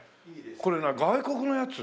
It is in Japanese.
これ外国のやつ？